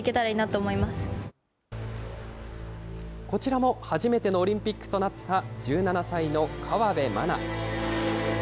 こちらも初めてのオリンピックとなった１７歳の河辺愛菜。